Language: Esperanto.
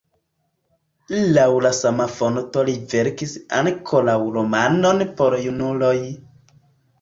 Laŭ la sama fonto li verkis ankoraŭ romanon por junuloj.